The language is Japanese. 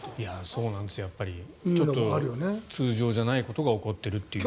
そうなんです、やっぱり通常じゃないことが起こっているっていう。